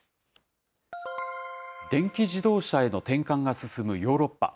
電気自動車への転換が進むヨーロッパ。